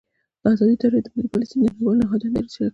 ازادي راډیو د مالي پالیسي د نړیوالو نهادونو دریځ شریک کړی.